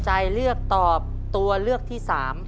ใจเลือกตอบตัวเลือกที่๓